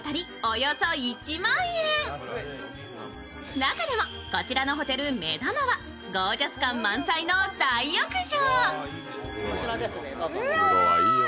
中でもこちらのホテル、目玉はゴージャス感満載の大浴場。